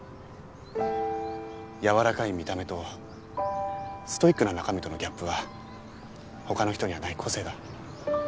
やわらかい見た目とストイックな中身とのギャップは他の人にはない個性だ。